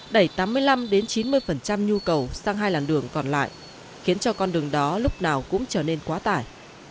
đẩy tám mươi năm chín mươi nhu cầu sang hai làn đường còn lại khiến cho con đường đó lúc nào cũng trở nên quá tải